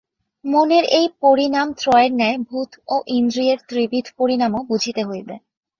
মনের এই পরিণামত্রয়ের ন্যায় ভূত ও ইন্দ্রিয়ের ত্রিবিধ পরিণামও বুঝিতে হইবে।